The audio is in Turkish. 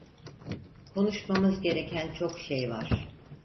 Konuşmamız gereken çok şey var.